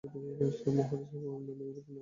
মহারাজ গোবিন্দমাণিক্য এইরূপ আদেশ করিয়াছেন?